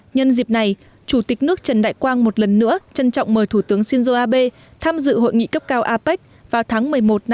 nhân dịp này chủ tịch nước trần đại quang một lần nữa trân trọng mời thủ tướng shinzo abe tham dự hội nghị cấp cao apec vào tháng một mươi một năm hai nghìn một mươi bảy tại việt nam